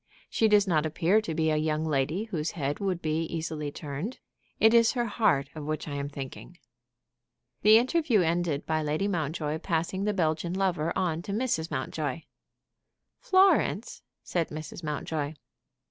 She does not appear to be a young lady whose head would easily be turned. It is her heart of which I am thinking." The interview ended by Lady Mountjoy passing the Belgian lover on to Mrs. Mountjoy. "Florence!" said Mrs. Mountjoy.